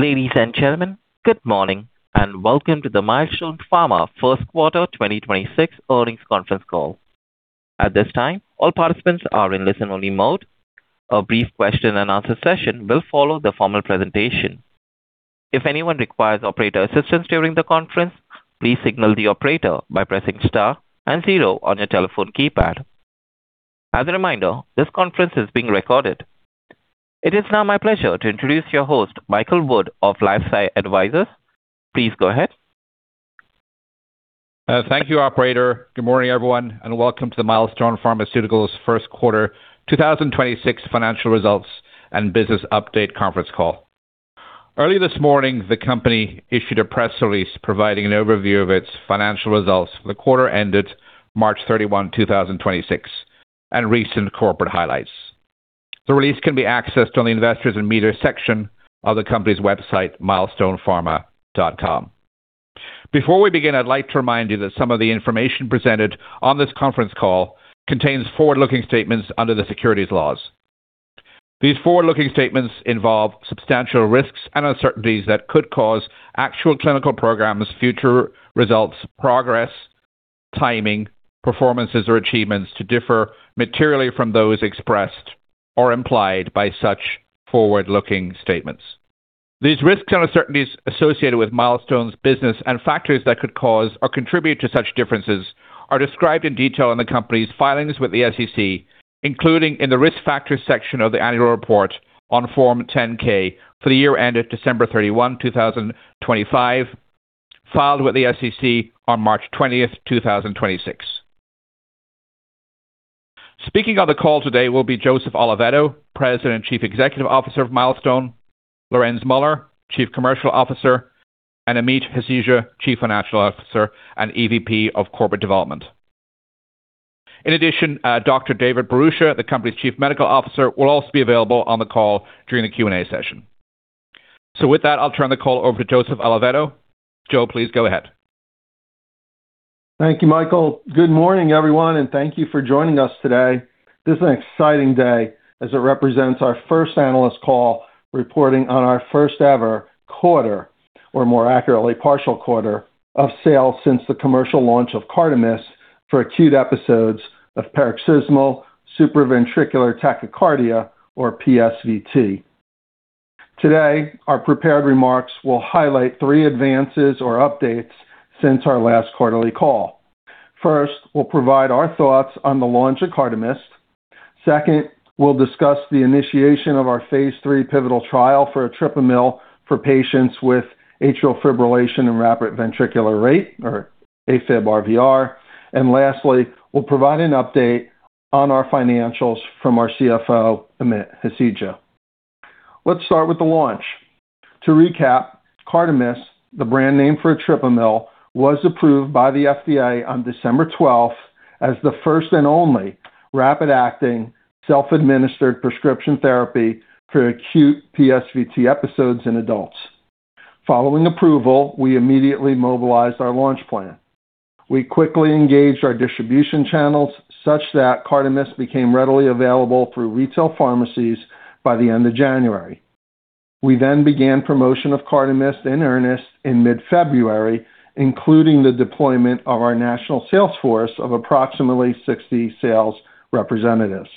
Ladies and gentlemen, good morning, and welcome to the Milestone Pharma First Quarter 2026 Earnings Conference Call. At this time, all participants are in listen-only mode. A brief question-and-answer session will follow the formal presentation. If anyone requires operator assistance during the conference, please signal the operator by pressing star and zero on your telephone keypad. As a reminder, this conference is being recorded. It is now my pleasure to introduce your host, Michael Wood of LifeSci Advisors. Please go ahead. Thank you, operator. Welcome to the Milestone Pharmaceuticals First Quarter 2026 Financial Results and Business Update Conference Call. Early this morning, the company issued a press release providing an overview of its financial results for the quarter ended March 31, 2026 and recent corporate highlights. The release can be accessed on the Investors and Media section of the company's website, milestonepharma.com. Before we begin, I'd like to remind you that some of the information presented on this conference call contains forward-looking statements under the securities laws. These forward-looking statements involve substantial risks and uncertainties that could cause actual clinical programs, future results, progress, timing, performances, or achievements to differ materially from those expressed or implied by such forward-looking statements. These risks and uncertainties associated with Milestone's business and factors that could cause or contribute to such differences are described in detail in the company's filings with the SEC, including in the Risk Factors section of the annual report on Form 10-K for the year ended December 31, 2025, filed with the SEC on March 20th, 2026. Speaking on the call today will be Joseph Oliveto, President and Chief Executive Officer of Milestone; Lorenz Muller, Chief Commercial Officer; and Amit Hasija, Chief Financial Officer and EVP of Corporate Development. In addition, Dr. David Bharucha, the company's Chief Medical Officer, will also be available on the call during the Q&A session. With that, I'll turn the call over to Joseph Oliveto. Joe, please go ahead. Thank you, Michael. Good morning, everyone, and thank you for joining us today. This is an exciting day as it represents our first analyst call reporting on our first-ever quarter, or more accurately, partial quarter of sales since the commercial launch of CARDEMYST for acute episodes of paroxysmal supraventricular tachycardia, or PSVT. Today, our prepared remarks will highlight three advances or updates since our last quarterly call. First, we'll provide our thoughts on the launch of CARDEMYST. Second, we'll discuss the initiation of our phase III pivotal trial for etripamil for patients with atrial fibrillation and rapid ventricular rate or AFib RVR. Lastly, we'll provide an update on our financials from our CFO, Amit Hasija. Let's start with the launch. To recap, CARDEMYST, the brand name for etripamil, was approved by the FDA on December 12th as the first and only rapid-acting, self-administered prescription therapy for acute PSVT episodes in adults. Following approval, we immediately mobilized our launch plan. We quickly engaged our distribution channels such that CARDEMYST became readily available through retail pharmacies by the end of January. We began promotion of CARDEMYST in earnest in mid-February, including the deployment of our national sales force of approximately 60 sales representatives.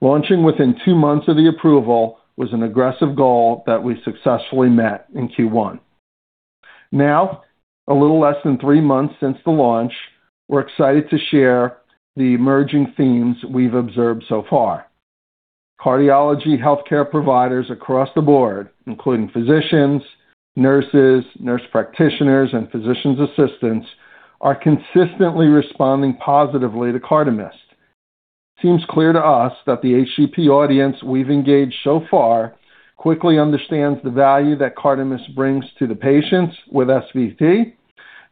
Launching within two months of the approval was an aggressive goal that we successfully met in Q1. Now, a little less than three months since the launch, we're excited to share the emerging themes we've observed so far. Cardiology healthcare providers across the board, including physicians, nurses, nurse practitioners, and physician assistants, are consistently responding positively to CARDEMYST. Seems clear to us that the HCP audience we've engaged so far quickly understands the value that CARDEMYST brings to the patients with SVT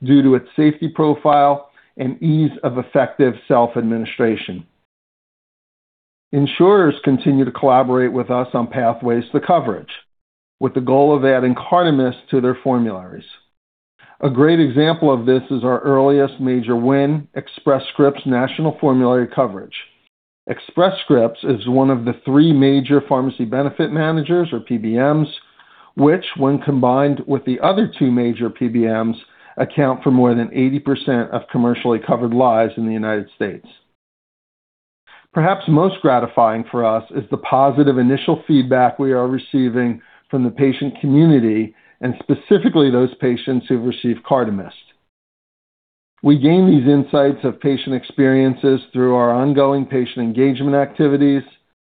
due to its safety profile and ease of effective self-administration. Insurers continue to collaborate with us on pathways to coverage, with the goal of adding CARDEMYST to their formularies. A great example of this is our earliest major win, Express Scripts National Preferred Formulary coverage. Express Scripts is one of the three major pharmacy benefit managers or PBMs, which when combined with the other two major PBMs, account for more than 80% of commercially covered lives in the United States. Perhaps most gratifying for us is the positive initial feedback we are receiving from the patient community, and specifically those patients who've received CARDEMYST. We gain these insights of patient experiences through our ongoing patient engagement activities,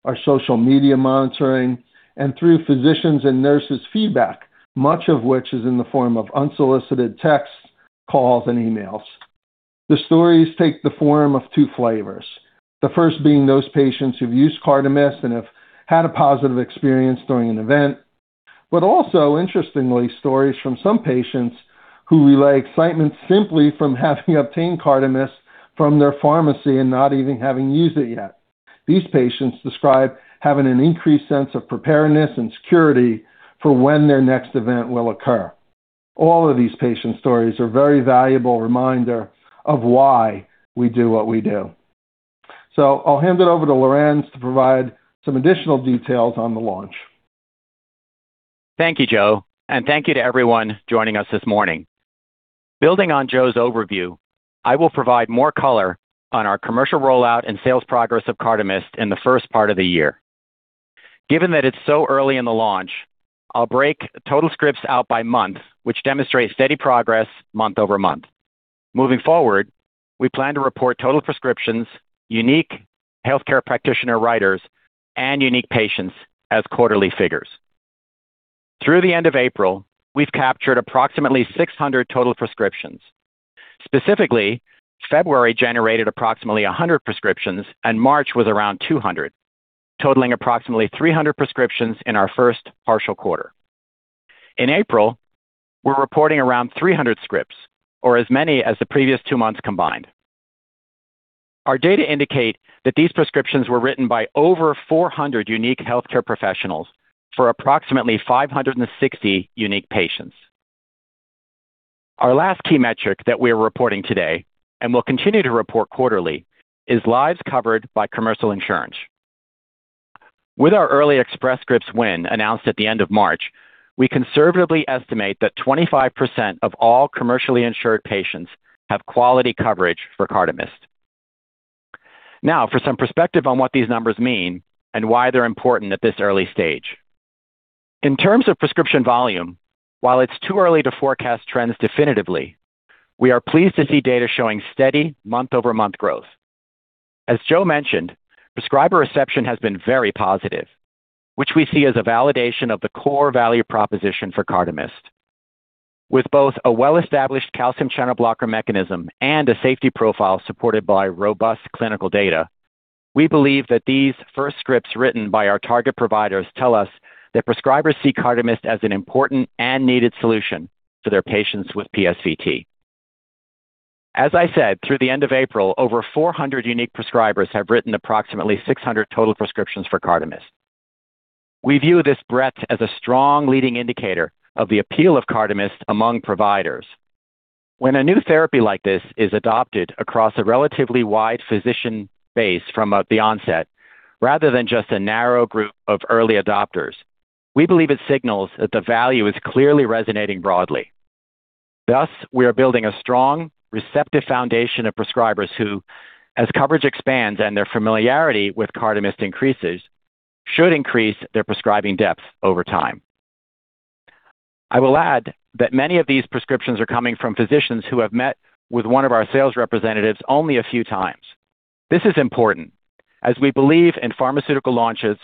our social media monitoring, and through physicians' and nurses' feedback, much of which is in the form of unsolicited texts, calls, and emails. The stories take the form of two flavors. The first being those patients who've used CARDEMYST and have had a positive experience during an event. Also, interestingly, stories from some patients who relay excitement simply from having obtained CARDEMYST from their pharmacy and not even having used it yet. These patients describe having an increased sense of preparedness and security for when their next event will occur. All of these patient stories are very valuable reminder of why we do what we do. I'll hand it over to Lorenz to provide some additional details on the launch. Thank you, Joe, and thank you to everyone joining us this morning. Building on Joe's overview, I will provide more color on our commercial rollout and sales progress of CARDEMYST in the first part of the year. Given that it's so early in the launch, I'll break total scripts out by month, which demonstrates steady progress month-over-month. Moving forward, we plan to report total prescriptions, unique healthcare practitioner writers, and unique patients as quarterly figures. Through the end of April, we've captured approximately 600 total prescriptions. Specifically, February generated approximately 100 prescriptions and March was around 200, totaling approximately 300 prescriptions in our first partial quarter. In April, we're reporting around 300 scripts or as many as the previous two months combined. Our data indicate that these prescriptions were written by over 400 unique healthcare professionals for approximately 560 unique patients. Our last key metric that we're reporting today and will continue to report quarterly is lives covered by commercial insurance. With our early Express Scripts win announced at the end of March, we conservatively estimate that 25% of all commercially insured patients have quality coverage for CARDEMYST. For some perspective on what these numbers mean and why they're important at this early stage. In terms of prescription volume, while it's too early to forecast trends definitively, we are pleased to see data showing steady month-over-month growth. As Joe mentioned, prescriber reception has been very positive, which we see as a validation of the core value proposition for CARDEMYST. With both a well-established calcium channel blocker mechanism and a safety profile supported by robust clinical data, we believe that these first scripts written by our target providers tell us that prescribers see CARDEMYST as an important and needed solution to their patients with PSVT. As I said, through the end of April, over 400 unique prescribers have written approximately 600 total prescriptions for CARDEMYST. We view this breadth as a strong leading indicator of the appeal of CARDEMYST among providers. When a new therapy like this is adopted across a relatively wide physician base from the onset, rather than just a narrow group of early adopters, we believe it signals that the value is clearly resonating broadly. We are building a strong, receptive foundation of prescribers who, as coverage expands and their familiarity with CARDEMYST increases, should increase their prescribing depth over time. I will add that many of these prescriptions are coming from physicians who have met with one of our sales representatives only a few times. This is important as we believe in pharmaceutical launches,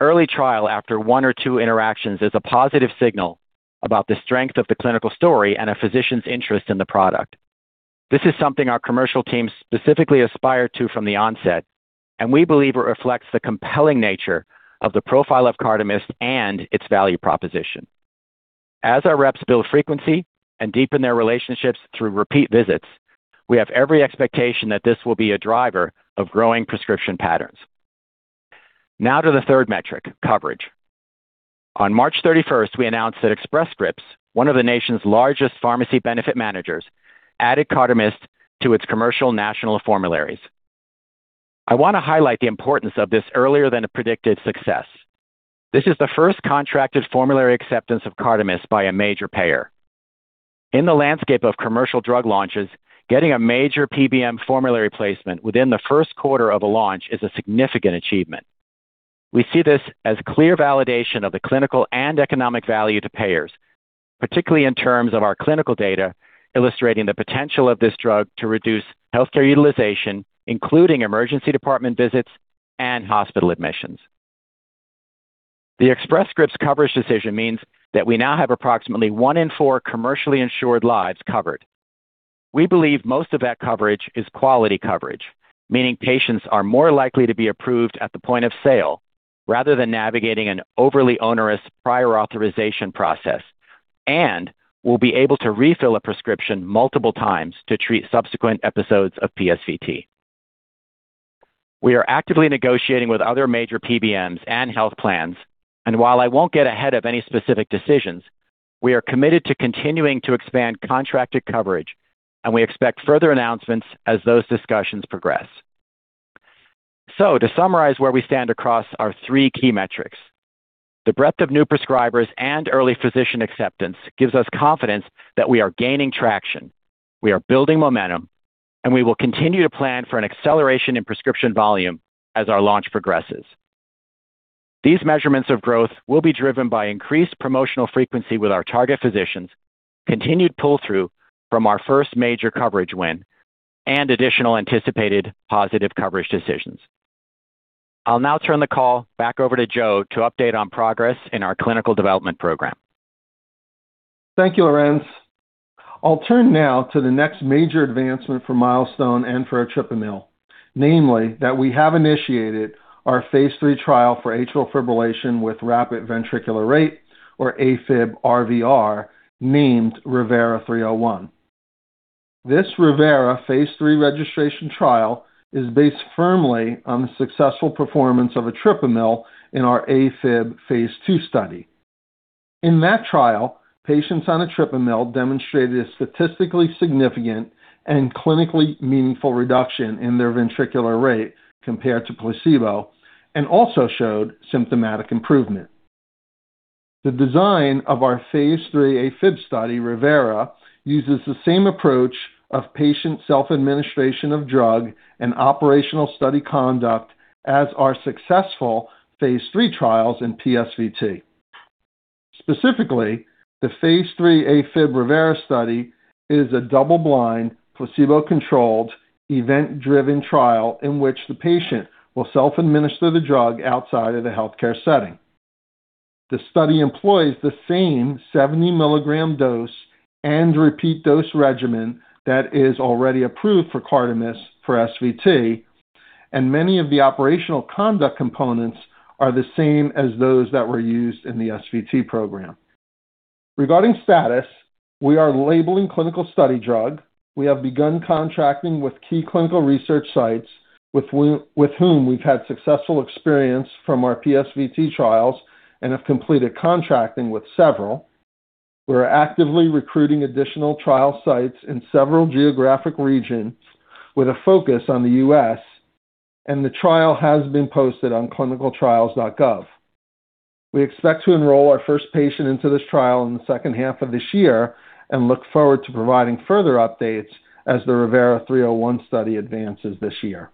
early trial after one or two interactions is a positive signal about the strength of the clinical story and a physician's interest in the product. This is something our commercial teams specifically aspire to from the onset, we believe it reflects the compelling nature of the profile of CARDEMYST and its value proposition. As our reps build frequency and deepen their relationships through repeat visits, we have every expectation that this will be a driver of growing prescription patterns. Now to the third metric, coverage. On March 31st, we announced that Express Scripts, one of the nation's largest pharmacy benefit managers, added CARDEMYST to its commercial national formularies. I want to highlight the importance of this earlier than a predicted success. This is the first contracted formulary acceptance of CARDEMYST by a major payer. In the landscape of commercial drug launches, getting a major PBM formulary placement within the first quarter of a launch is a significant achievement. We see this as clear validation of the clinical and economic value to payers, particularly in terms of our clinical data illustrating the potential of this drug to reduce healthcare utilization, including emergency department visits and hospital admissions. The Express Scripts coverage decision means that we now have approximately one in four commercially insured lives covered. We believe most of that coverage is quality coverage, meaning patients are more likely to be approved at the point of sale rather than navigating an overly onerous prior authorization process and will be able to refill a prescription multiple times to treat subsequent episodes of PSVT. We are actively negotiating with other major PBMs and health plans, and while I won't get ahead of any specific decisions, we are committed to continuing to expand contracted coverage. We expect further announcements as those discussions progress. To summarize where we stand across our three key metrics. The breadth of new prescribers and early physician acceptance gives us confidence that we are gaining traction, we are building momentum, and we will continue to plan for an acceleration in prescription volume as our launch progresses. These measurements of growth will be driven by increased promotional frequency with our target physicians, continued pull-through from our first major coverage win, and additional anticipated positive coverage decisions. I will now turn the call back over to Joe to update on progress in our clinical development program. Thank you, Lorenz. I'll turn now to the next major advancement for Milestone and for etripamil. Namely, that we have initiated our phase III trial for atrial fibrillation with rapid ventricular rate or AFib with RVR named ReVeRA-301. This ReVeRA phase III registration trial is based firmly on the successful performance of etripamil in our AFib phase II study. In that trial, patients on etripamil demonstrated a statistically significant and clinically meaningful reduction in their ventricular rate compared to placebo and also showed symptomatic improvement. The design of our phase III AFib study, ReVeRA, uses the same approach of patient self-administration of drug and operational study conduct as our successful phase III trials in PSVT. Specifically, the phase III AFib ReVeRA study is a double-blind, placebo-controlled, event-driven trial in which the patient will self-administer the drug outside of the healthcare setting. The study employs the same 70-milligram dose and repeat dose regimen that is already approved for CARDEMYST for SVT, and many of the operational conduct components are the same as those that were used in the SVT program. Regarding status, we are labeling clinical study drug. We have begun contracting with key clinical research sites with whom we've had successful experience from our PSVT trials and have completed contracting with several. We're actively recruiting additional trial sites in several geographic regions with a focus on the U.S., and the trial has been posted on clinicaltrials.gov. We expect to enroll our first patient into this trial in the second half of this year and look forward to providing further updates as the ReVeRA-301 study advances this year.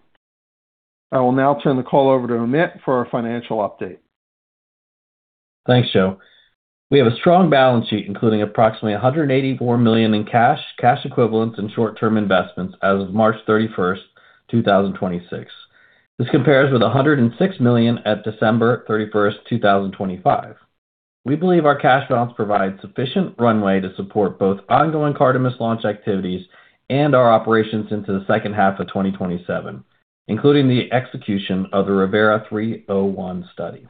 I will now turn the call over to Amit for our financial update. Thanks, Joe. We have a strong balance sheet, including approximately $184 million in cash equivalents, and short-term investments as of March 31, 2026. This compares with $106 million at December 31, 2025. We believe our cash balance provides sufficient runway to support both ongoing CARDEMYST launch activities and our operations into the second half of 2027, including the execution of the ReVeRA-301 study.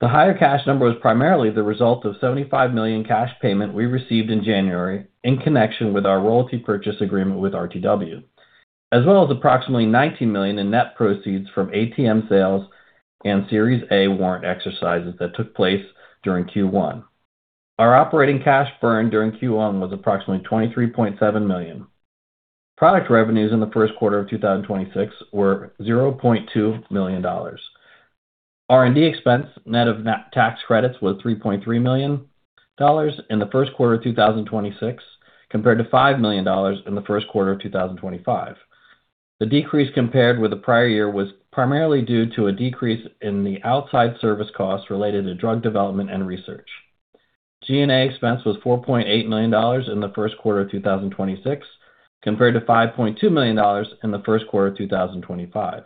The higher cash number was primarily the result of $75 million cash payment we received in January in connection with our royalty purchase agreement with RTW, as well as approximately $19 million in net proceeds from ATM sales and Series A warrant exercises that took place during Q1. Our operating cash burn during Q1 was approximately $23.7 million. Product revenues in the first quarter of 2026 were $0.2 million. R&D expense, net of tax credits, was $3.3 million in the first quarter of 2026 compared to $5 million in the first quarter of 2025. The decrease compared with the prior year was primarily due to a decrease in the outside service costs related to drug development and research. G&A expense was $4.8 million in the first quarter of 2026 compared to $5.2 million in the first quarter of 2025.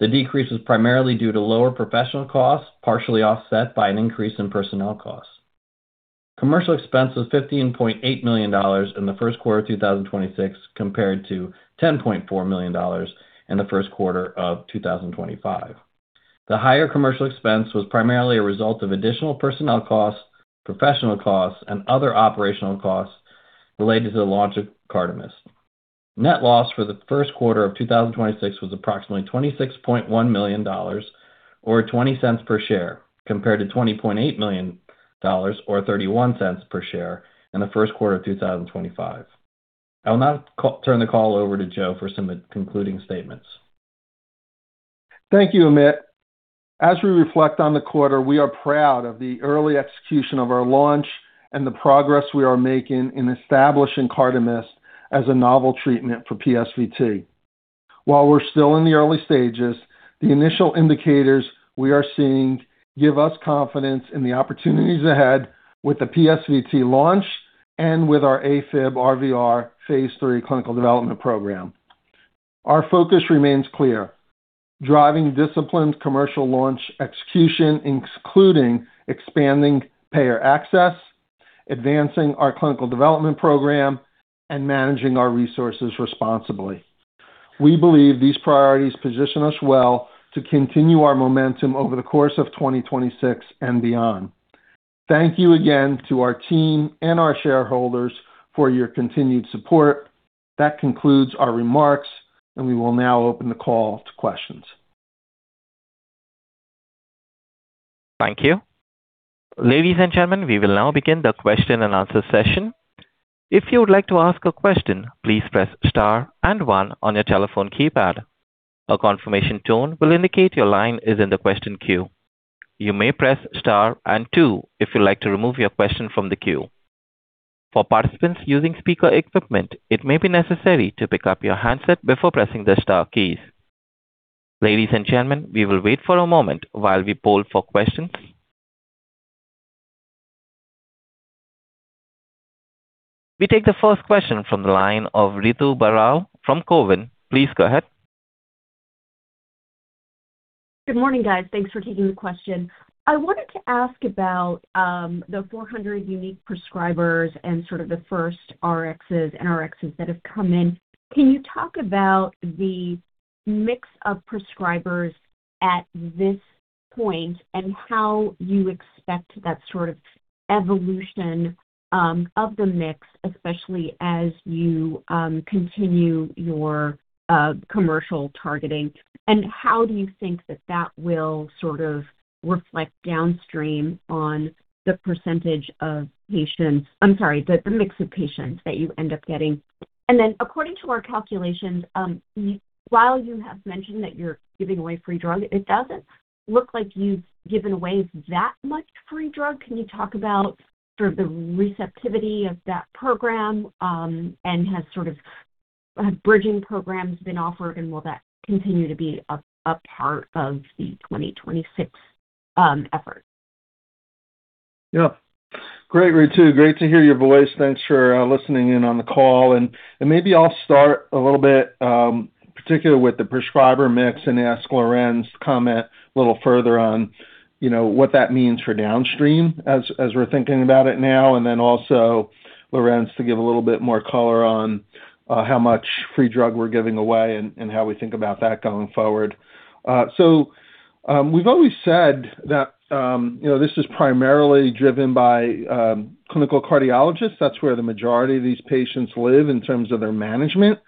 The decrease was primarily due to lower professional costs, partially offset by an increase in personnel costs. Commercial expense was $15.8 million in the first quarter of 2026 compared to $10.4 million in the first quarter of 2025. The higher commercial expense was primarily a result of additional personnel costs, professional costs, and other operational costs related to the launch of CARDEMYST. Net loss for the first quarter of 2026 was approximately $26.1 million or $0.20 per share, compared to $20.8 million or $0.31 per share in the first quarter of 2025. I'll now turn the call over to Joe for some concluding statements. Thank you, Amit. As we reflect on the quarter, we are proud of the early execution of our launch and the progress we are making in establishing CARDEMYST as a novel treatment for PSVT. While we're still in the early stages, the initial indicators we are seeing give us confidence in the opportunities ahead with the PSVT launch and with our AFib RVR phase III clinical development program. Our focus remains clear: driving disciplined commercial launch execution, including expanding payer access, advancing our clinical development program, and managing our resources responsibly. We believe these priorities position us well to continue our momentum over the course of 2026 and beyond. Thank you again to our team and our shareholders for your continued support. That concludes our remarks, and we will now open the call to questions. Thank you. Ladies and gentlemen, we will now begin the question and answer session. If you would like to ask a question, please press star and one on your telephone keypad. A confirmation tone will indicate your line is in the question queue. You may press star and two if you'd like to remove your question from the queue. For participants using speaker equipment, it may be necessary to pick up your handset before pressing the star keys. Ladies and gentlemen, we will wait for a moment while we poll for questions. We take the first question from the line of Ritu Baral from Cowen. Please go ahead. Good morning, guys. Thanks for taking the question. I wanted to ask about the 400 unique prescribers and sort of the first Rxs and Rxs that have come in. Can you talk about the mix of prescribers at this point and how you expect that sort of mix evolution of the mix, especially as you continue your commercial targeting. How do you think that that will sort of reflect downstream on the percentage of patients I'm sorry, the mix of patients that you end up getting. According to our calculations, while you have mentioned that you're giving away free drug, it doesn't look like you've given away that much free drug. Can you talk about sort of the receptivity of that program, and has sort of bridging programs been offered, and will that continue to be a part of the 2026 effort? Yeah. Great, Ritu. Great to hear your voice. Thanks for listening in on the call. Maybe I'll start a little bit, particularly with the prescriber mix and ask Lorenz to comment a little further on, you know, what that means for downstream as we're thinking about it now. Also Lorenz to give a little bit more color on how much free drug we're giving away and how we think about that going forward. We've always said that, you know, this is primarily driven by clinical cardiologists. That's where the majority of these patients live in terms of their management.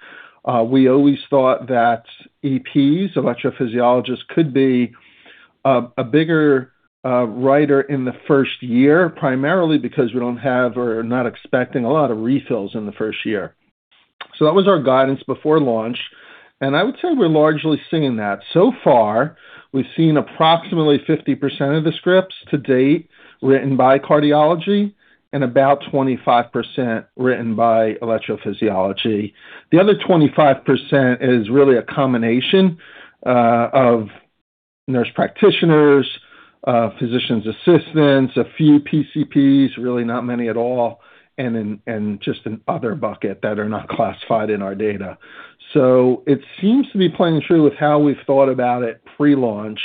We always thought that EPs, electrophysiologists, could be a bigger writer in the first year, primarily because we don't have or are not expecting a lot of refills in the first year. That was our guidance before launch, and I would say we're largely seeing that. So far, we've seen approximately 50% of the scripts to date written by cardiology and about 25% written by electrophysiology. The other 25% is really a combination of nurse practitioners, physician assistants, a few PCPs, really not many at all, and then just an other bucket that are not classified in our data. It seems to be playing true with how we've thought about it pre-launch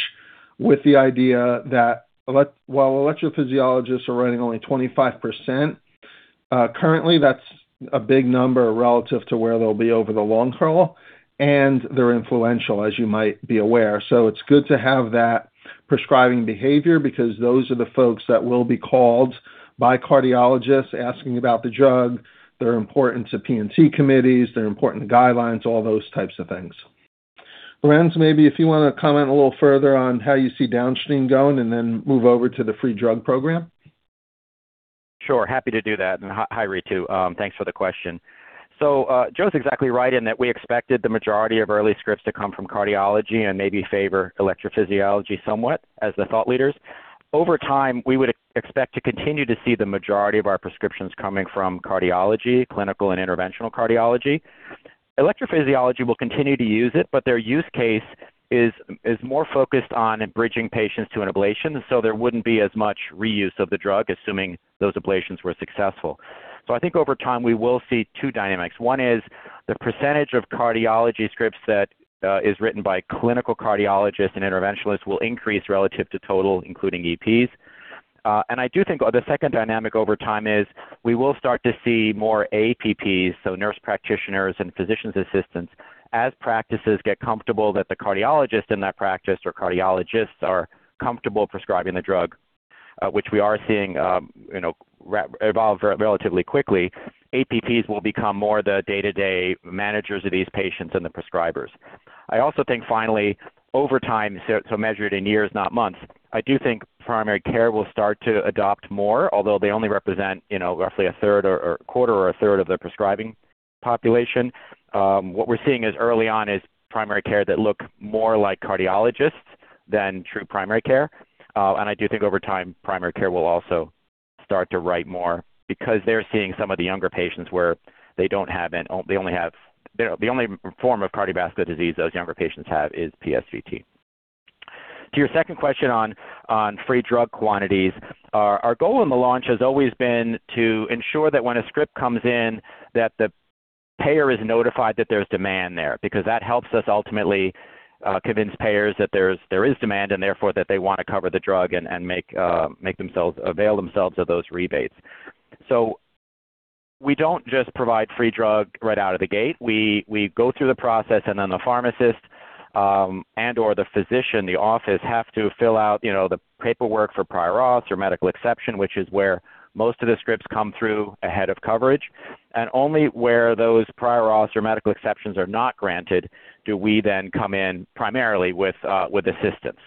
with the idea that while electrophysiologists are writing only 25%, currently that's a big number relative to where they'll be over the long haul, and they're influential, as you might be aware. It's good to have that prescribing behavior because those are the folks that will be called by cardiologists asking about the drug. They're important to P&T committees. They're important to guidelines, all those types of things. Lorenz, maybe if you want to comment a little further on how you see downstream going and then move over to the free drug program. Sure. Happy to do that. Hi, Ritu. Thanks for the question. Joe's exactly right in that we expected the majority of early scripts to come from cardiology and maybe favor electrophysiology somewhat as the thought leaders. Over time, we would expect to continue to see the majority of our prescriptions coming from cardiology, clinical and interventional cardiology. Electrophysiology will continue to use it, but their use case is more focused on bridging patients to an ablation, so there wouldn't be as much reuse of the drug, assuming those ablations were successful. I think over time we will see two dynamics. One is the percentage of cardiology scripts that is written by clinical cardiologists and interventionalists will increase relative to total, including EPs. I do think the second dynamic over time is we will start to see more APPs, so nurse practitioners and physician assistants. As practices get comfortable that the cardiologist in that practice or cardiologists are comfortable prescribing the drug, which we are seeing, you know, evolve relatively quickly, APPs will become more the day-to-day managers of these patients than the prescribers. I also think finally, over time, so measured in years, not months, I do think primary care will start to adopt more, although they only represent, you know, roughly a third or a quarter or a third of the prescribing population. What we're seeing is early on is primary care that look more like cardiologists than true primary care. I do think over time primary care will also start to write more because they're seeing some of the younger patients where they don't have The only form of cardiovascular disease those younger patients have is PSVT. To your second question on free drug quantities. Our goal in the launch has always been to ensure that when a script comes in, that the payer is notified that there's demand there because that helps us ultimately convince payers that there is demand and therefore that they want to cover the drug and make themselves avail themselves of those rebates. We don't just provide free drug right out of the gate. We go through the process and then the pharmacist, and/or the physician in the office have to fill out, you know, the paperwork for prior auth or medical exception, which is where most of the scripts come through ahead of coverage. Only where those prior auth or medical exceptions are not granted do we then come in primarily with assistance.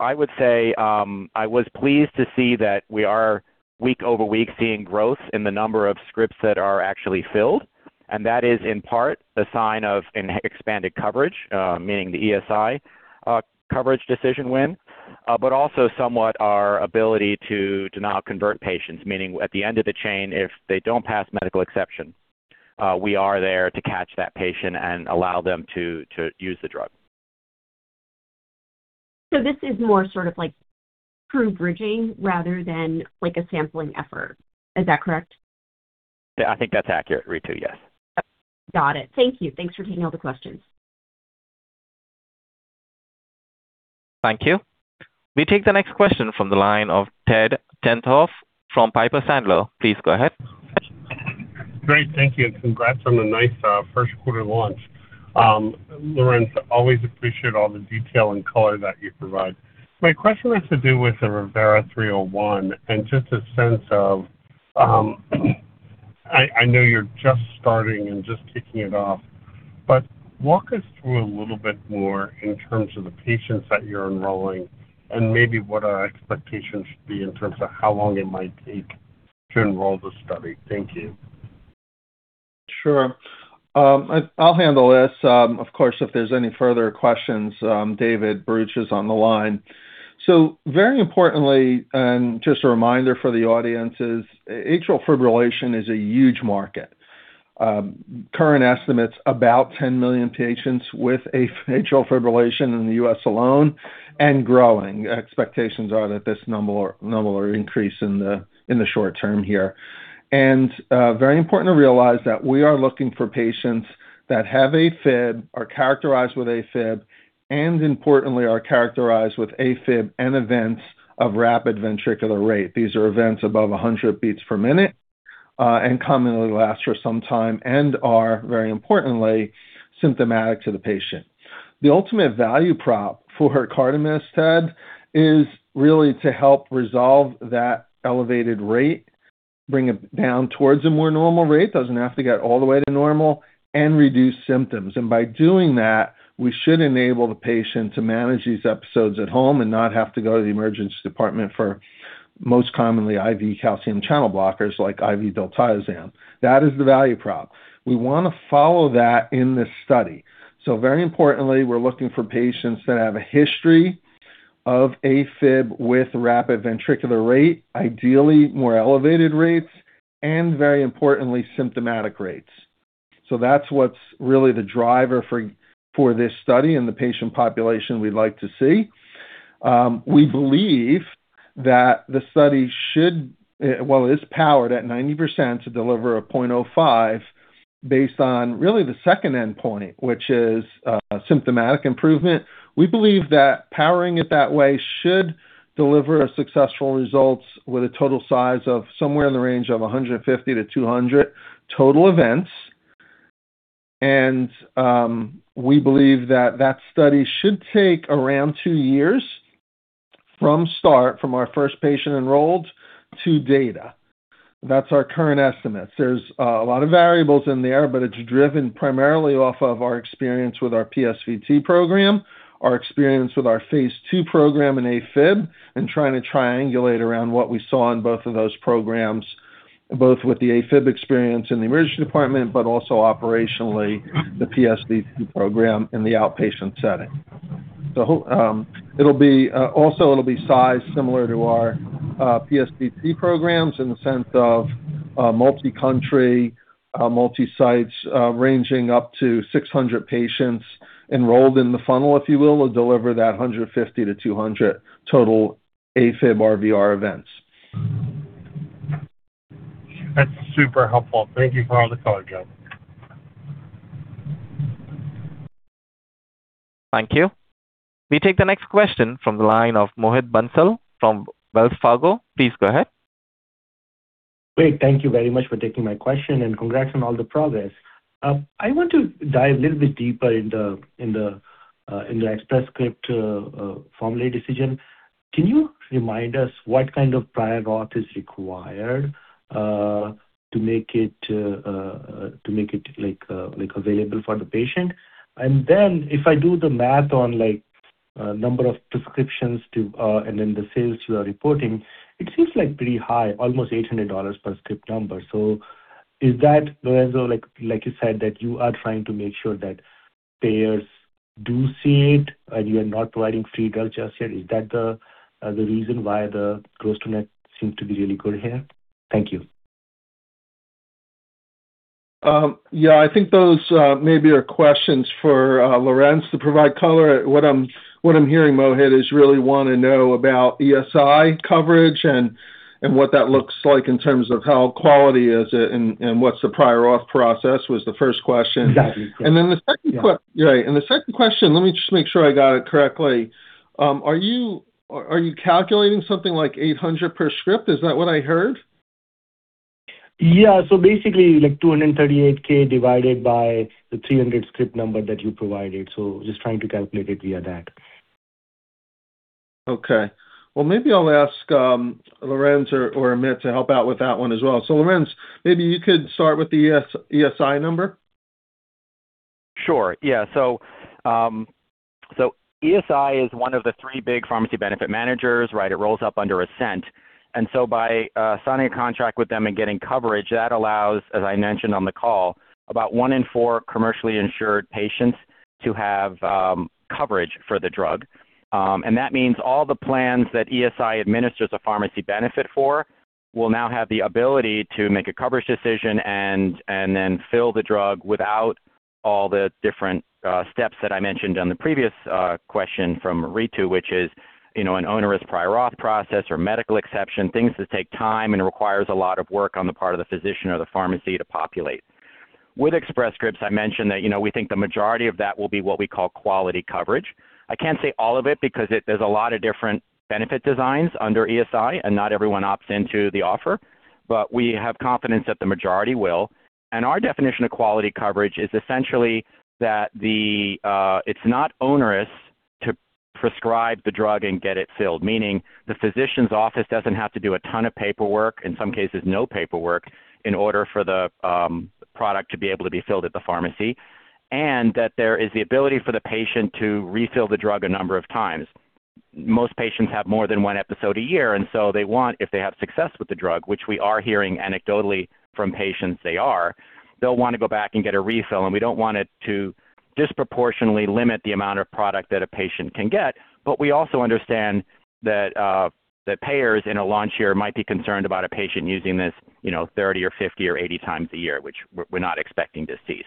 I would say, I was pleased to see that we are week over week seeing growth in the number of scripts that are actually filled, and that is in part the sign of an expanded coverage, meaning the ESI coverage decision win, but also somewhat our ability to now convert patients, meaning at the end of the chain, if they don't pass medical exception, we are there to catch that patient and allow them to use the drug. This is more sort of like true bridging rather than like a sampling effort. Is that correct? Yeah, I think that's accurate, Ritu. Yes. Got it. Thank you. Thanks for taking all the questions. Thank you. We take the next question from the line of Ted Tenthoff from Piper Sandler. Please go ahead. Great. Thank you, and congrats on a nice first quarter launch. Lorenz, always appreciate all the detail and color that you provide. My question has to do with the ReVeRA-301 and just a sense of, I know you're just starting and just kicking it off, but walk us through a little bit more in terms of the patients that you're enrolling and maybe what our expectations should be in terms of how long it might take to enroll the study. Thank you. Sure. I'll handle this. Of course, if there's any further questions, David Bharucha is on the line. Very importantly, and just a reminder for the audience, is atrial fibrillation is a huge market. Current estimates about 10 million patients with atrial fibrillation in the U.S. alone and growing. Expectations are that this number will increase in the short term here. Very important to realize that we are looking for patients that have AFib, are characterized with AFib, and importantly, are characterized with AFib and events of rapid ventricular rate. These are events above 100 beats per minute, and commonly last for some time and are, very importantly, symptomatic to the patient. The ultimate value prop for etripamil is really to help resolve that elevated rate, bring it down towards a more normal rate, doesn't have to get all the way to normal, and reduce symptoms. By doing that, we should enable the patient to manage these episodes at home and not have to go to the emergency department for most commonly IV calcium channel blockers like IV diltiazem. That is the value prop. We wanna follow that in this study. Very importantly, we're looking for patients that have a history of AFib with rapid ventricular rate, ideally more elevated rates, and very importantly, symptomatic rates. That's what's really the driver for this study and the patient population we'd like to see. We believe that the study should, is powered at 90% to deliver a 0.05 based on really the second endpoint, which is symptomatic improvement. We believe that powering it that way should deliver a successful results with a total size of somewhere in the range of 150-200 total events. We believe that that study should take around two years from start, from our first patient enrolled, to data. That's our current estimate. There's a lot of variables in there, but it's driven primarily off of our experience with our PSVT program, our experience with our phase II program in AFib, and trying to triangulate around what we saw in both of those programs, both with the AFib experience in the emergency department, but also operationally the PSVT program in the outpatient setting. It'll be also sized similar to our PSVT programs in the sense of multi-country, multi-sites, ranging up to 600 patients enrolled in the funnel, if you will. It'll deliver that 150 to 200 total AFib RVR events. That's super helpful. Thank you for all the color, Joe. Thank you. We take the next question from the line of Mohit Bansal from Wells Fargo. Please go ahead. Great. Thank you very much for taking my question, and congrats on all the progress. I want to dive a little bit deeper in the Express Scripts formulary decision. Can you remind us what kind of prior authorization is required to make it available for the patient? If I do the math on number of prescriptions to and then the sales you are reporting, it seems pretty high, almost $800 per script number. Is that, Lorenz, you said that you are trying to make sure that payers do see it, and you are not providing free drugs just yet. Is that the reason why the gross-to-net seems to be really good here? Thank you. Yeah, I think those maybe are questions for Lorenz to provide color. What I'm hearing, Mohit, is you really wanna know about ESI coverage and what that looks like in terms of how quality is it and what's the prior auth process, was the first question. And then the second, right. The second question, let me just make sure I got it correctly. Are you calculating something like $800 per script? Is that what I heard? Basically, like, $238 thousand divided by the 300 script number that you provided. Just trying to calculate it via that. Okay. Well, maybe I'll ask Lorenz or Amit to help out with that one as well. Lorenz, maybe you could start with the ESI number. Sure. Yeah. So ESI is one of the three big pharmacy benefit managers, right? It rolls up under Ascent. By signing a contract with them and getting coverage, that allows, as I mentioned on the call, about one in four commercially insured patients to have coverage for the drug. That means all the plans that ESI administers a pharmacy benefit for will now have the ability to make a coverage decision and, then fill the drug without all the different steps that I mentioned on the previous question from Ritu, which is, you know, an onerous prior auth process or medical exception, things that take time and requires a lot of work on the part of the physician or the pharmacy to populate. With Express Scripts, I mentioned that, you know, we think the majority of that will be what we call quality coverage. I can't say all of it because there's a lot of different benefit designs under ESI and not everyone opts into the offer. We have confidence that the majority will. Our definition of quality coverage is essentially that it's not onerous to prescribe the drug and get it filled. Meaning the physician's office doesn't have to do a ton of paperwork, in some cases, no paperwork, in order for the product to be able to be filled at the pharmacy. That there is the ability for the patient to refill the drug a number of times. Most patients have more than one episode a year, so they want, if they have success with the drug, which we are hearing anecdotally from patients they are, they'll wanna go back and get a refill. We don't want it to disproportionately limit the amount of product that a patient can get. We also understand that payers in a launch year might be concerned about a patient using this, you know, 30 or 50 or 80 times a year, which we're not expecting to see.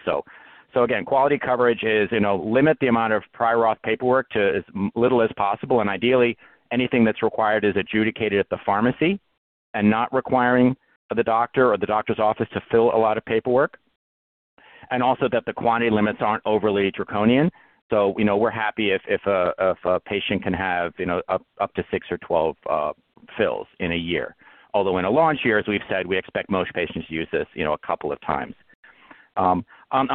Again, quality coverage is, you know, limit the amount of prior auth paperwork to as little as possible, and ideally, anything that's required is adjudicated at the pharmacy and not requiring the doctor or the doctor's office to fill a lot of paperwork. The quantity limits aren't overly draconian. You know, we're happy if a patient can have, you know, up to six or 12 fills in a year. Although in a launch year, as we've said, we expect most patients to use this, you know, a couple of times. On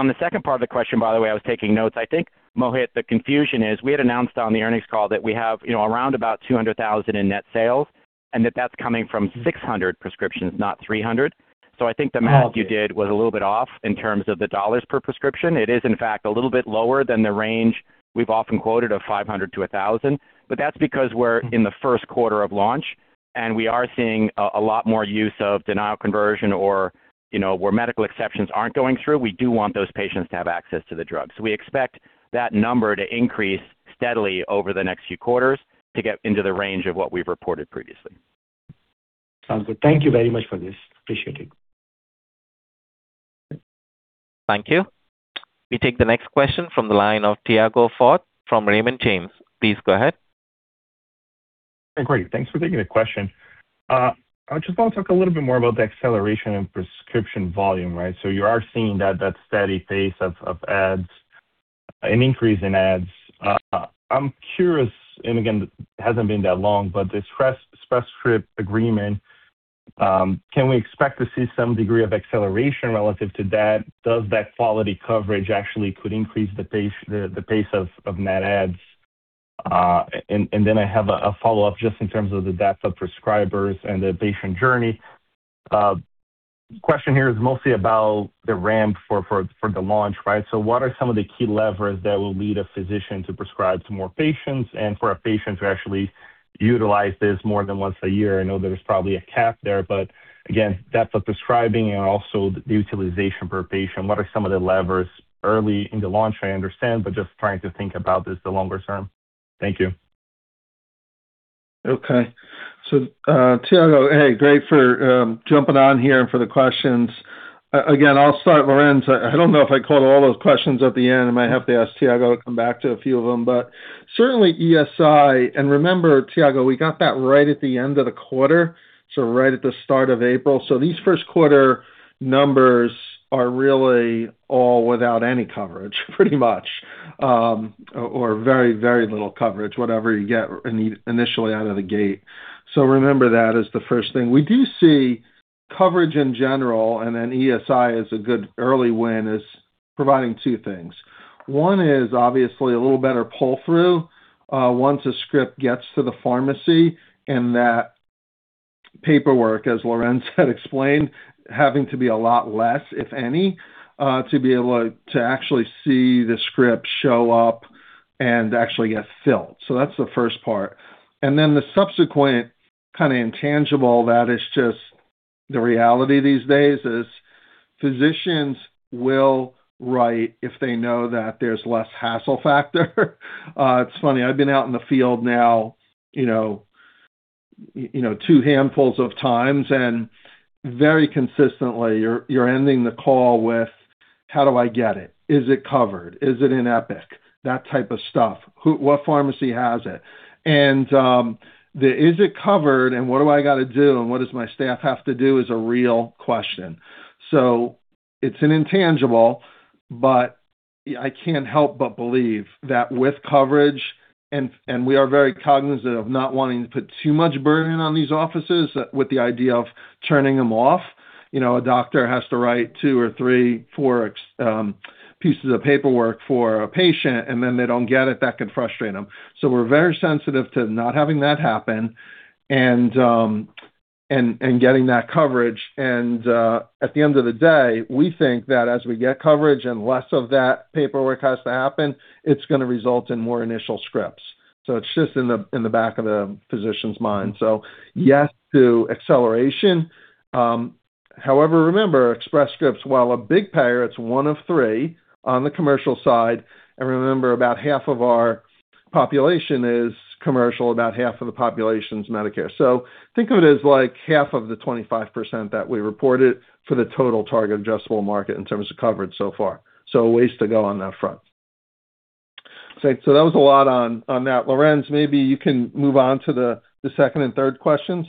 the second part of the question, by the way, I was taking notes. I think, Mohit, the confusion is we had announced on the earnings call that we have, you know, around about $200,000 in net sales and that that's coming from 600 prescriptions, not 300. I think the math you did was a little bit off in terms of the $ per prescription. It is, in fact, a little bit lower than the range we've often quoted of $500 to $1,000. That's because we're in the first quarter of launch and we are seeing a lot more use of denial conversion or, you know, where medical exceptions aren't going through. We do want those patients to have access to the drug. We expect that number to increase steadily over the next few quarters to get into the range of what we've reported previously. Sounds good. Thank you very much for this. Appreciate it. Thank you. We take the next question from the line of Tiago Fauth from Raymond James. Please go ahead. Great. Thanks for taking the question. I just wanna talk a little bit more about the acceleration in prescription volume, right? You are seeing that steady pace of adds, an increase in adds. I'm curious, and again, it hasn't been that long, but Express Scripts agreement, can we expect to see some degree of acceleration relative to that? Does that quality coverage actually could increase the pace, the pace of net adds? Then I have a follow-up just in terms of the depth of prescribers and the patient journey. Question here is mostly about the ramp for the launch, right? What are some of the key levers that will lead a physician to prescribe to more patients and for a patient to actually utilize this more than one a year? I know there's probably a cap there, but again, depth of prescribing and also the utilization per patient, what are some of the levers early in the launch? I understand, but just trying to think about this the longer term. Thank you. Okay. Hey, great for jumping on here and for the questions. Again, I'll start, Lorenz. I don't know if I caught all those questions at the end. I might have to ask Tiago to come back to a few of them. Certainly ESI, and remember, Tiago, we got that right at the end of the quarter, so right at the start of April. These first quarter numbers are really all without any coverage, pretty much. Or very, very little coverage, whatever you get initially out of the gate. Remember that as the first thing. We do see coverage in general, and then ESI is a good early win, is providing two things. One is obviously a little better pull-through, once a script gets to the pharmacy and that paperwork, as Lorenz had explained, having to be a lot less, if any, to be able to actually see the script show up and actually get filled. That's the first part. Then the subsequent kind of intangible that is just the reality these days is physicians will write if they know that there's less hassle factor. It's funny. I've been out in the field now, you know, two handfuls of times and very consistently you're ending the call with, "How do I get it? Is it covered? Is it in Epic?" That type of stuff. "What pharmacy has it?". "Is it covered, and what do I got to do?" and what does my staff have to do is a real question. It's an intangible, but I can't help but believe that with coverage, and we are very cognizant of not wanting to put too much burden on these offices with the idea of turning them off. You know, a doctor has to write two or three, four pieces of paperwork for a patient, and then they don't get it, that can frustrate them. We're very sensitive to not having that happen and getting that coverage. At the end of the day, we think that as we get coverage and less of that paperwork has to happen, it's gonna result in more initial scripts. It's just in the back of the physician's mind. Yes to acceleration. However, remember Express Scripts, while a big payer, it's one of three on the commercial side. Remember about half of our population is commercial, about half of the population is Medicare. Think of it as like half of the 25% that we reported for the total target addressable market in terms of coverage so far. A ways to go on that front. That was a lot on that. Lorenz, maybe you can move on to the second and third questions.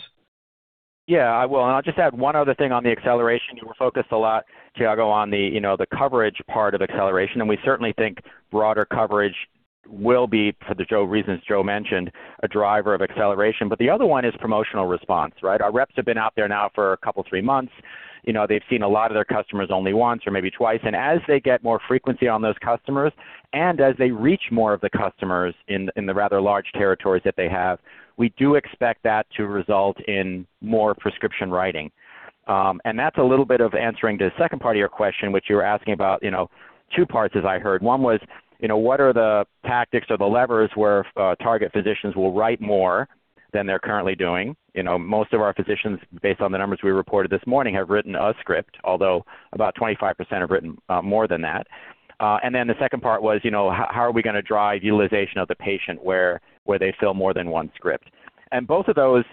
Yeah, I will. I'll just add one other thing on the acceleration. You were focused a lot, Tiago, on the, you know, the coverage part of acceleration, and we certainly think broader coverage will be, for the reasons Joe mentioned, a driver of acceleration. The other one is promotional response, right? Our reps have been out there now for a couple, three months. You know, they've seen a lot of their customers only once or maybe twice. As they get more frequency on those customers, and as they reach more of the customers in the rather large territories that they have, we do expect that to result in more prescription writing. That's a little bit of answering to the 2nd part of your question, which you were asking about, you know, two parts as I heard. One was, you know, what are the tactics or the levers where target physicians will write more than they're currently doing? You know, most of our physicians, based on the numbers we reported this morning, have written a script, although about 25% have written more than that. The second part was, you know, how are we gonna drive utilization of the patient where they fill more than one script? Both of those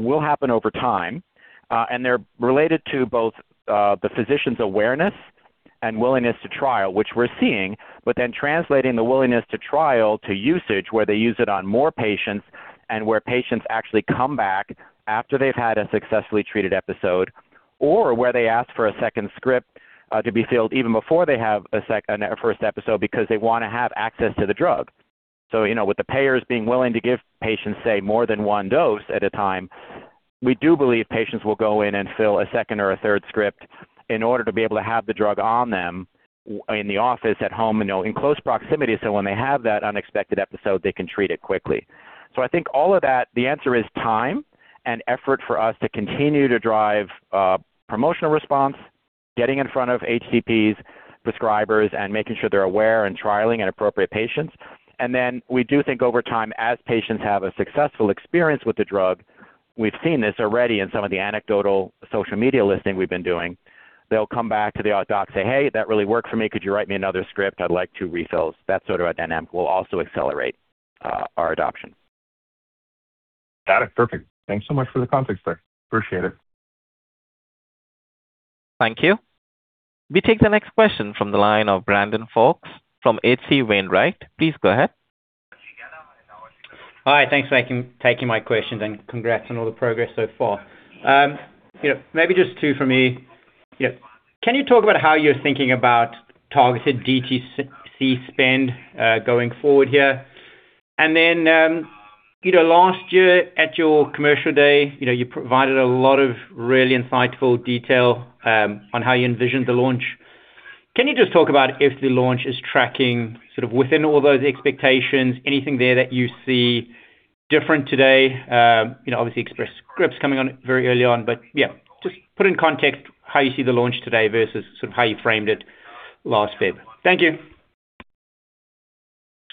will happen over time, and they're related to both the physician's awareness and willingness to trial, which we're seeing, but then translating the willingness to trial to usage, where they use it on more patients and where patients actually come back after they've had a successfully treated episode. Where they ask for a second script to be filled even before they have a first episode because they wanna have access to the drug. You know, with the payers being willing to give patients, say, more than one dose at a time, we do believe patients will go in and fill a second or a third script in order to be able to have the drug on them in the office, at home, you know, in close proximity, so when they have that unexpected episode, they can treat it quickly. I think all of that, the answer is time and effort for us to continue to drive promotional response, getting in front of HCPs, prescribers, and making sure they're aware and trialing in appropriate patients. We do think over time, as patients have a successful experience with the drug. We've seen this already in some of the anecdotal social media listening we've been doing, they'll come back to the doc, say, "Hey, that really worked for me. Could you write me another script? I'd like two refills." That sort of a dynamic will also accelerate our adoption. Got it. Perfect. Thanks so much for the context there. Appreciate it. Thank you. We take the next question from the line of Brandon Folkes from H.C. Wainwright. Please go ahead. Hi. Thanks for taking my questions, congrats on all the progress so far. You know, maybe just two for me. Yeah. Can you talk about how you're thinking about targeted DTC spend going forward here? You know, last year at your commercial day, you know, you provided a lot of really insightful detail on how you envisioned the launch. Can you just talk about if the launch is tracking sort of within all those expectations? Anything there that you see different today? You know, obviously Express Scripts coming on very early on, but yeah, just put in context how you see the launch today versus sort of how you framed it last Feb. Thank you.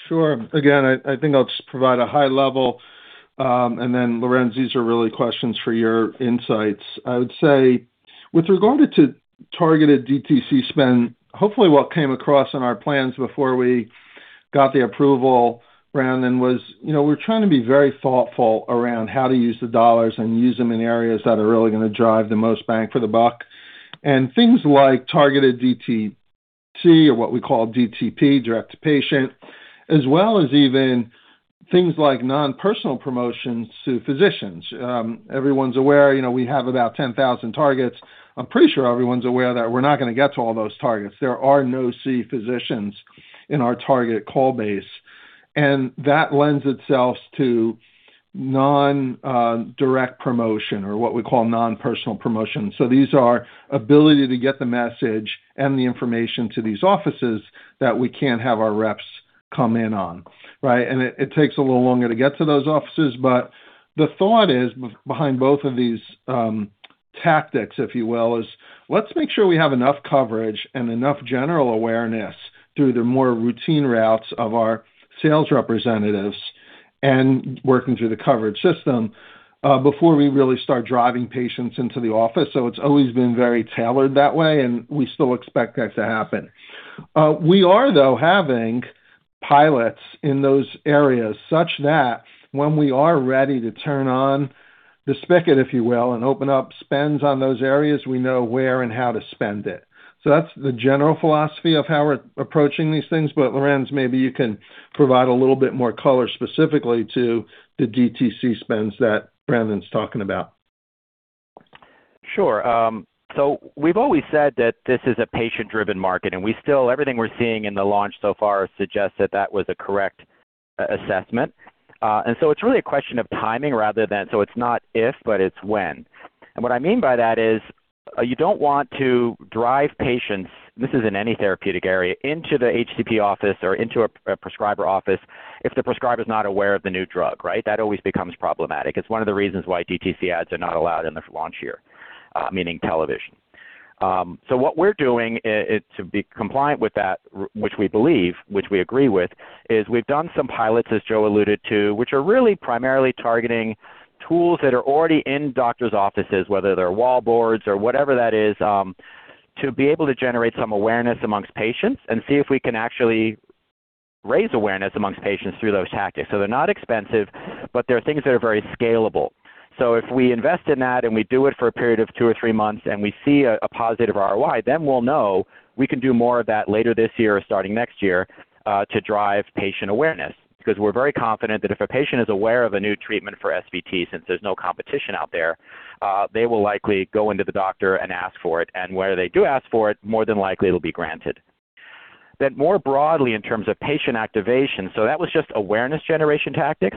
Sure. Again, I think I'll just provide a high-level, and then, Lorenz, these are really questions for your insights. I would say with regard to targeted DTC spend, hopefully what came across in our plans before we got the approval, Brandon, was, you know, we're trying to be very thoughtful around how to use the dollars and use them in areas that are really gonna drive the most bang for the buck. Things like targeted DTC, or what we call DTP, direct to patient, as well as even things like non-personal promotions to physicians. Everyone's aware, you know, we have about 10,000 targets. I'm pretty sure everyone's aware that we're not gonna get to all those targets. There are no-see physicians in our target call base, that lends itself to non-direct promotion or what we call non-personal promotions. These are ability to get the message and the information to these offices that we can't have our reps come in on, right? It takes a little longer to get to those offices, but the thought is behind both of these tactics, if you will, is let's make sure we have enough coverage and enough general awareness through the more routine routes of our sales representatives and working through the coverage system before we really start driving patients into the office. It's always been very tailored that way, and we still expect that to happen. We are though having pilots in those areas such that when we are ready to turn on the spigot, if you will, and open up spends on those areas, we know where and how to spend it. That's the general philosophy of how we're approaching these things, but Lorenz, maybe you can provide a little bit more color specifically to the DTC spends that Brandon's talking about. Sure. We've always said that this is a patient-driven market, and we still everything we're seeing in the launch so far suggests that that was a correct assessment. It's really a question of timing rather than. It's not if, but it's when. What I mean by that is, you don't want to drive patients, this is in any therapeutic area, into the HCP office or into a prescriber office if the prescriber's not aware of the new drug, right? That always becomes problematic. It's one of the reasons why DTC ads are not allowed in the launch year, meaning television. What we're doing is to be compliant with that, which we believe, which we agree with, is we've done some pilots, as Joe alluded to, which are really primarily targeting tools that are already in doctors' offices, whether they're wallboards or whatever that is, to be able to generate some awareness amongst patients and see if we can actually raise awareness amongst patients through those tactics. They're not expensive, but they're things that are very scalable. If we invest in that and we do it for a period of two or three months and we see a positive ROI, then we'll know we can do more of that later this year or starting next year to drive patient awareness. We're very confident that if a patient is aware of a new treatment for SVT, since there's no competition out there, they will likely go into the doctor and ask for it. Where they do ask for it, more than likely it'll be granted. More broadly, in terms of patient activation, so that was just awareness generation tactics.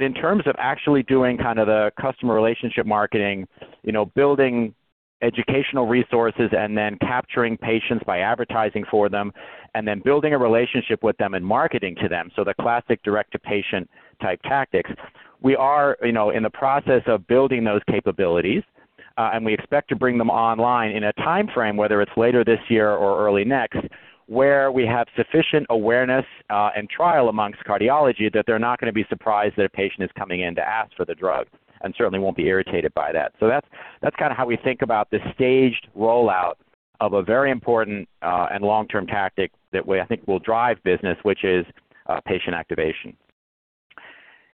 In terms of actually doing kind of the customer relationship marketing, you know, building educational resources and then capturing patients by advertising for them and then building a relationship with them and marketing to them, so the classic DTP type tactics. We are, you know, in the process of building those capabilities, and we expect to bring them online in a timeframe, whether it's later this year or early next. Where we have sufficient awareness, and trial amongst cardiology that they're not going to be surprised that a patient is coming in to ask for the drug and certainly won't be irritated by that. That's kind of how we think about the staged rollout of a very important and long-term tactic that I think will drive business, which is patient activation.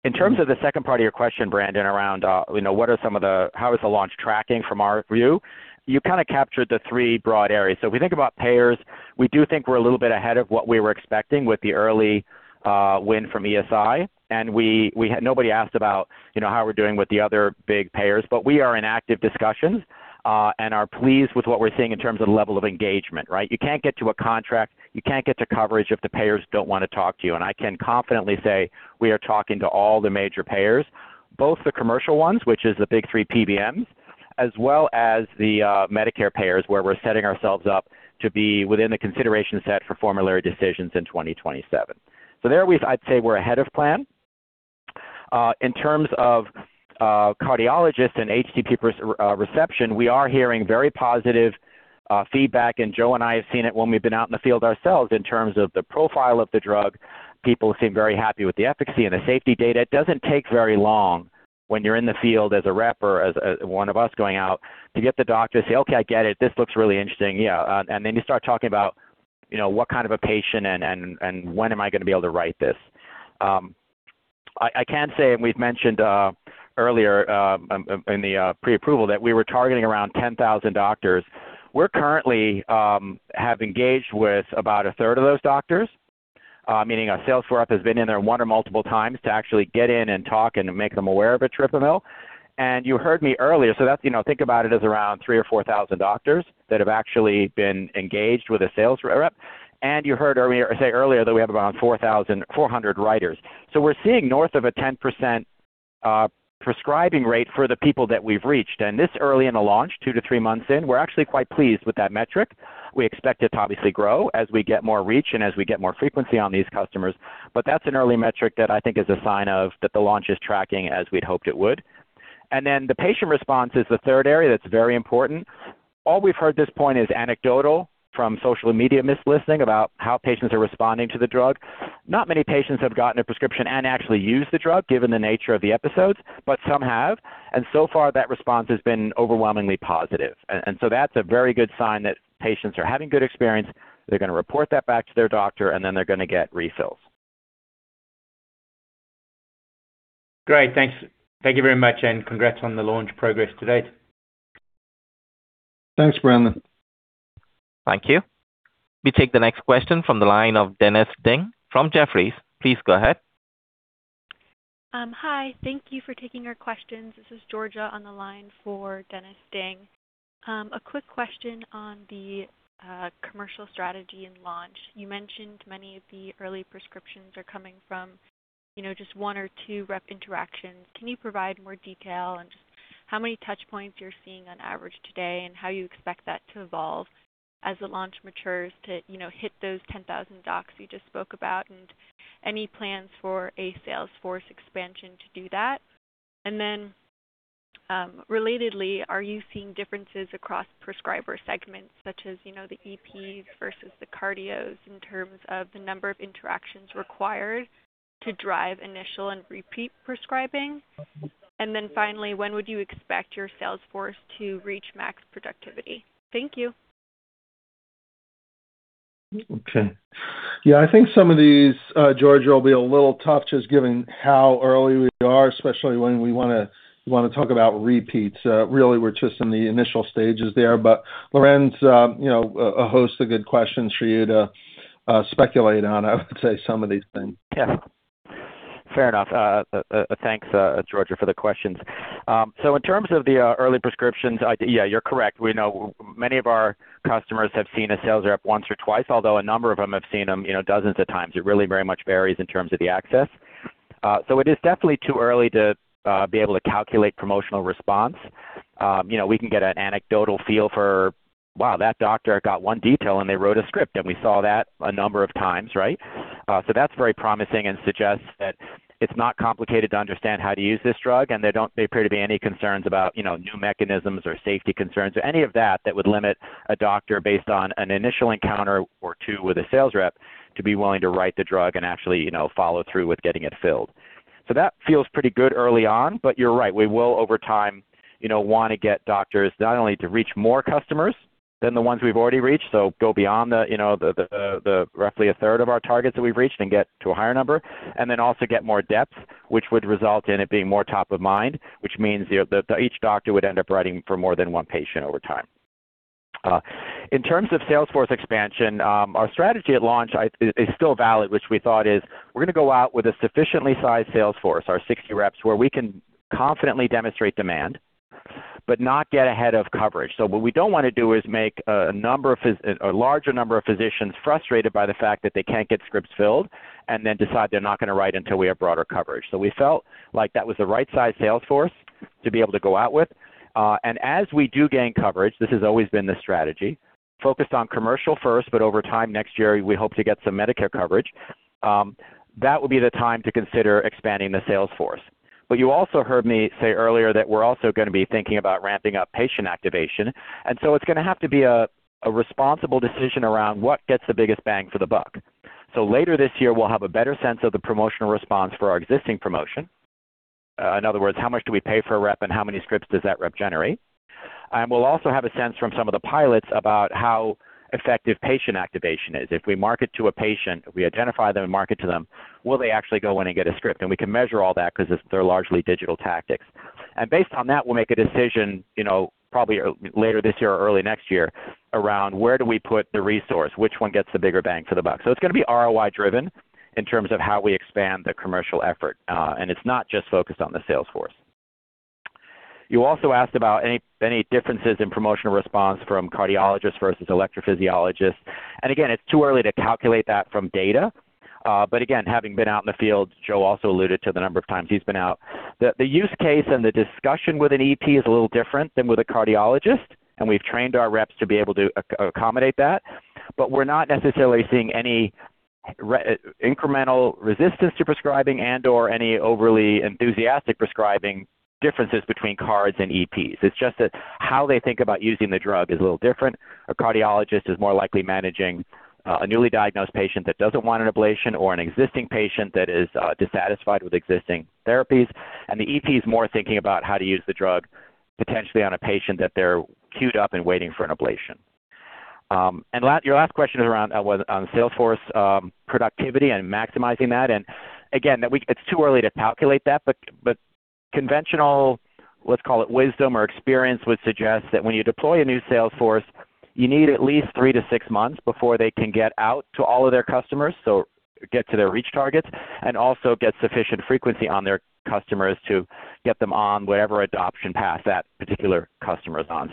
In terms of the second part of your question, Brandon, around, you know, what are some of the How is the launch tracking from our view. You kind of captured the three broad areas. If we think about payers, we do think we're a little bit ahead of what we were expecting with the early win from ESI. We had nobody asked about, you know, how we're doing with the other big payers, but we are in active discussions, and are pleased with what we're seeing in terms of the level of engagement, right. You can't get to a contract, you can't get to coverage if the payers don't wanna talk to you. I can confidently say we are talking to all the major payers, both the commercial ones, which is the big three PBMs, as well as the Medicare payers, where we're setting ourselves up to be within the consideration set for formulary decisions in 2027. There I'd say we're ahead of plan. In terms of cardiologists and HCP reception, we are hearing very positive feedback, and Joe and I have seen it when we've been out in the field ourselves, in terms of the profile of the drug. People seem very happy with the efficacy and the safety data. It doesn't take very long when you're in the field as a rep or as one of us going out to get the doctor to say, "Okay, I get it. This looks really interesting, yeah. Then you start talking about, you know, what kind of a patient and, and when am I gonna be able to write this? I can say, we've mentioned earlier in the pre-approval that we were targeting around 10,000 doctors. We're currently have engaged with about a third of those doctors, meaning our sales rep has been in there one or multiple times to actually get in and talk and make them aware of etripamil. You heard me earlier, that's, you know, think about it as around 3,000 or 4,000 doctors that have actually been engaged with a sales rep. You heard earlier, say earlier that we have around 4,400 writers. We're seeing north of a 10% prescribing rate for the people that we've reached. This early in the launch, two-three months in, we're actually quite pleased with that metric. We expect it to obviously grow as we get more reach and as we get more frequency on these customers. That's an early metric that I think is a sign that the launch is tracking as we'd hoped it would. The patient response is the third area that's very important. All we've heard at this point is anecdotal from social media listening about how patients are responding to the drug. Not many patients have gotten a prescription and actually used the drug, given the nature of the episodes, but some have. So far that response has been overwhelmingly positive. That's a very good sign that patients are having good experience. They're gonna report that back to their doctor. They're gonna get refills. Great. Thanks. Thank you very much. Congrats on the launch progress to date. Thanks, Brandon. Thank you. We take the next question from the line of Dennis Ding from Jefferies. Please go ahead. Hi. Thank you for taking our questions. This is Georgia on the line for Dennis Ding. A quick question on the commercial strategy and launch. You mentioned many of the early prescriptions are coming from, you know, just one or two rep interactions. Can you provide more detail on just how many touch points you're seeing on average today and how you expect that to evolve as the launch matures to, you know, hit those 10,000 docs you just spoke about? Any plans for a sales force expansion to do that? Relatedly, are you seeing differences across prescriber segments such as, you know, the EPs versus the cardios in terms of the number of interactions required to drive initial and repeat prescribing? Finally, when would you expect your sales force to reach max productivity? Thank you. Okay. Yeah, I think some of these, Georgia, will be a little tough just given how early we are, especially when we wanna talk about repeats. Really we're just in the initial stages there. Lorenz, you know, a host of good questions for you to speculate on, I would say, some of these things. Yeah. Fair enough. Thanks, Georgia, for the questions. In terms of the early prescriptions, yeah, you're correct. We know many of our customers have seen a sales rep once or twice, although a number of them have seen them, you know, dozens of times. It really very much varies in terms of the access. It is definitely too early to be able to calculate promotional response. You know, we can get an anecdotal feel for, wow, that doctor got one detail and they wrote a script, and we saw that a number of times, right? That's very promising and suggests that it's not complicated to understand how to use this drug. There don't appear to be any concerns about, you know, new mechanisms or safety concerns or any of that would limit a doctor based on an initial encounter or two with a sales rep to be willing to write the drug and actually, you know, follow through with getting it filled. That feels pretty good early on, but you're right. We will over time, you know, want to get doctors not only to reach more customers than the ones we've already reached, so go beyond the, you know, the roughly a third of our targets that we've reached and get to a higher number, and then also get more depth, which would result in it being more top of mind, which means the each doctor would end up writing for more than one patient over time. In terms of sales force expansion, our strategy at launch is still valid, which we thought is we're gonna go out with a sufficiently sized sales force, our 60 reps, where we can confidently demonstrate demand but not get ahead of coverage. What we don't wanna do is make a larger number of physicians frustrated by the fact that they can't get scripts filled and then decide they're not gonna write until we have broader coverage. We felt like that was the right size sales force to be able to go out with. As we do gain coverage, this has always been the strategy, focused on commercial first, but over time, next year, we hope to get some Medicare coverage, that will be the time to consider expanding the sales force. You also heard me say earlier that we're also going to be thinking about ramping up patient activation, it's going to have to be a responsible decision around what gets the biggest bang for the buck. Later this year, we'll have a better sense of the promotional response for our existing promotion. In other words, how much do we pay for a rep and how many scripts does that rep generate? We'll also have a sense from some of the pilots about how effective patient activation is. If we market to a patient, if we identify them and market to them, will they actually go in and get a script? We can measure all that because it's they're largely digital tactics. Based on that, we'll make a decision, you know, probably later this year or early next year around where do we put the resource, which one gets the bigger bang for the buck. It's gonna be ROI driven in terms of how we expand the commercial effort, and it's not just focused on the sales force. You also asked about any differences in promotional response from cardiologists versus electrophysiologists. Again, it's too early to calculate that from data, but again, having been out in the field, Joe also alluded to the number of times he's been out, the use case and the discussion with an EP is a little different than with a cardiologist, and we've trained our reps to be able to accommodate that. We're not necessarily seeing any incremental resistance to prescribing and/or any overly enthusiastic prescribing differences between cards and EPs. It's just that how they think about using the drug is a little different. A cardiologist is more likely managing a newly diagnosed patient that doesn't want an ablation or an existing patient that is dissatisfied with existing therapies. The EP is more thinking about how to use the drug potentially on a patient that they're cued up and waiting for an ablation. Your last question is around what sales force productivity and maximizing that. It's too early to calculate that, but conventional, let's call it wisdom or experience, would suggest that when you deploy a new sales force, you need at least three to six months before they can get out to all of their customers, so get to their reach targets, and also get sufficient frequency on their customers to get them on whatever adoption path that particular customer is on.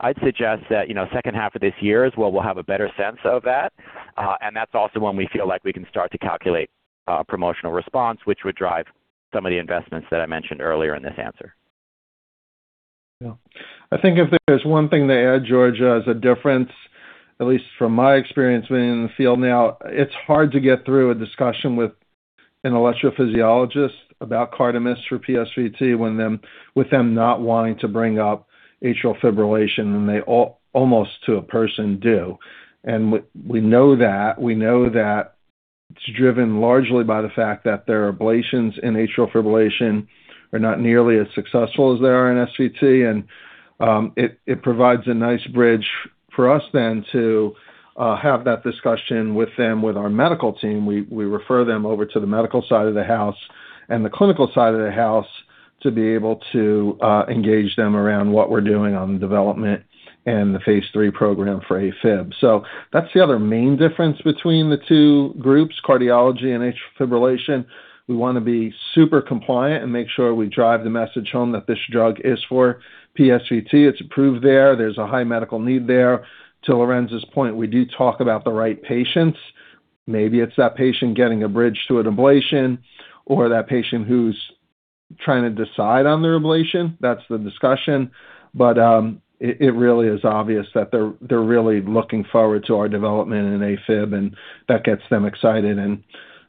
I'd suggest that, you know, second half of this year is where we'll have a better sense of that's also when we feel like we can start to calculate promotional response, which would drive some of the investments that I mentioned earlier in this answer. Yeah. I think if there's one thing to add, Georgia, is the difference, at least from my experience being in the field now, it's hard to get through a discussion with an electrophysiologist about CARDEMYST for PSVT with them not wanting to bring up atrial fibrillation, and they almost to a person do. We know that. We know that it's driven largely by the fact that their ablations in atrial fibrillation are not nearly as successful as they are in SVT. It provides a nice bridge for us then to have that discussion with them, with our medical team. We refer them over to the medical side of the house and the clinical side of the house to be able to engage them around what we're doing on the development and the phase III program for AFib. That's the other main difference between the two groups, cardiology and atrial fibrillation. We want to be super compliant and make sure we drive the message home that this drug is for PSVT. It's approved there. There's a high medical need there. To Lorenz's point, we do talk about the right patients. Maybe it's that patient getting a bridge to an ablation or that patient who's trying to decide on their ablation. That's the discussion. It really is obvious that they're really looking forward to our development in AFib, and that gets them excited and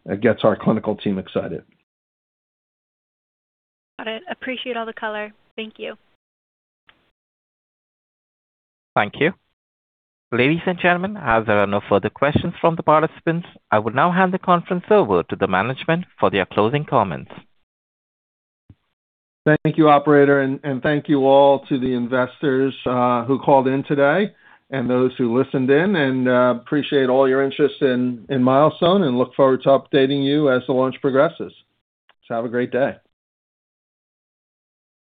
it gets our clinical team excited. Got it. Appreciate all the color. Thank you. Thank you. Ladies and gentlemen, as there are no further questions from the participants, I will now hand the conference over to the management for their closing comments. Thank you, operator. Thank you all to the investors who called in today and those who listened in. Appreciate all your interest in Milestone and look forward to updating you as the launch progresses. Have a great day.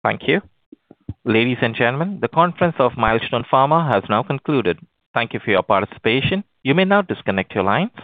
Thank you. Ladies and gentlemen, the conference of Milestone Pharma has now concluded. Thank you for your participation. You may now disconnect your line.